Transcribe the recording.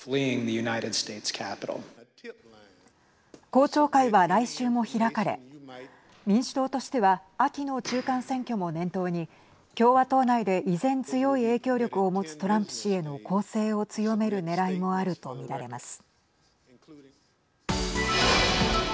公聴会は、来週も開かれ民主党としては秋の中間選挙も念頭に共和党内で依然強い影響力を持つトランプ氏への攻勢を強めるねらいもあると見られます。